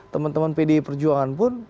teman teman pdi perjuangan pun